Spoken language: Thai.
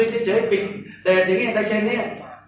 นี่มีเฉยปิดแดดได้แค่นี้